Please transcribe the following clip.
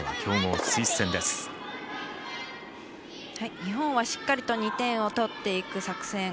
日本はしっかりと２点を取っていく作戦。